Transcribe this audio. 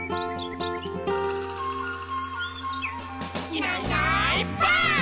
「いないいないばあっ！」